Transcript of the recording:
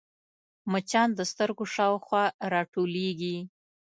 مچان د سترګو شاوخوا راټولېږي